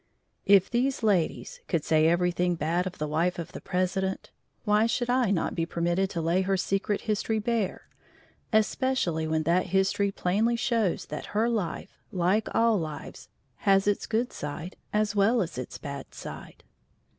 If these ladies, could say everything bad of the wife of the President, why should I not be permitted to lay her secret history bare, especially when that history plainly shows that her life, like all lives, has its good side as well as its bad side!